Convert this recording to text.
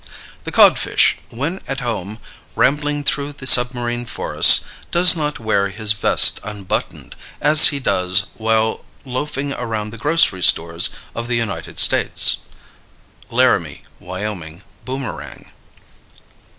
The codfish, when at home rambling through the submarine forests, does not wear his vest unbuttoned, as he does while loafing around the grocery stores of the United States. _Laramie (Wyoming) Boomerang.